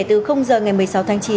từ giờ ngày một mươi sáu tháng chín